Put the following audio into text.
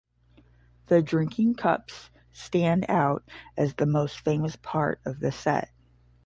The drinking cups stand out as the most famous part of the set.